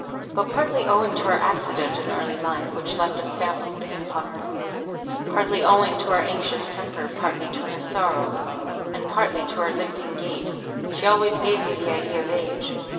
But partly owing to her accident in early life, which left a stamp of pain upon her face, partly owing to her anxious temper, partly to her sorrows, and partly to her limping gait, she always gave me the idea of age.